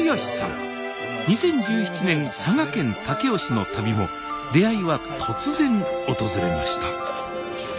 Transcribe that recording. ２０１７年佐賀県武雄市の旅も出会いは突然訪れました